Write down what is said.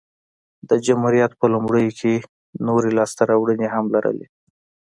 د جمهوریت په لومړیو کې نورې لاسته راوړنې هم لرلې